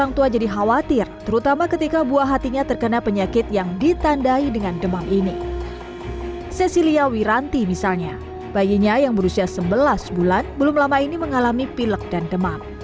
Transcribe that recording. bagaimana cara orang tua untuk menangani anak yang sehat dan berusaha mencari obat sirop